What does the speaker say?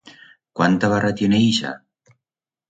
Cuánta barra tiene ixa?